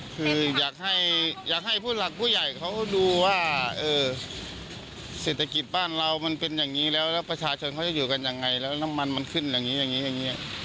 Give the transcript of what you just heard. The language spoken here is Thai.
คืออยากให้ผู้หลักผู้ใหญ่เขาดูว่าเศรษฐกิจบ้านเรามันเป็นอย่างนี้แล้วแล้วประชาชนเขาจะอยู่กันยังไงแล้วน้ำมันมันขึ้นอย่างนี้อย่างนี้อย่างนี้